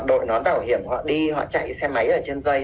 đội nón bảo hiểm họ đi họ chạy xe máy ở trên dây